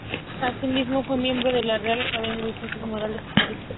Asimismo fue miembro de la Real Academia de Ciencias Morales y Políticas.